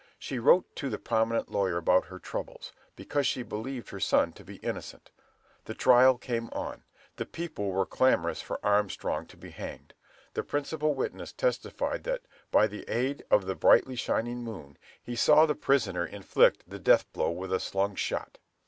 She wrote to the prominent lawyer about her troubles, because she believed her son to be innocent. The trial came on. The people were clamorous for Armstrong to be hanged. The principal witness testified that "by the aid of the brightly shining moon, he saw the prisoner inflict the death blow with a slung shot."